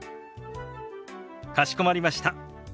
かしこまりました。